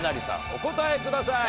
お答えください。